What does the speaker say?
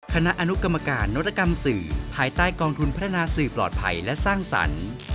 คณะอนุกรรมการนวัตกรรมสื่อภายใต้กองทุนพัฒนาสื่อปลอดภัยและสร้างสรรค์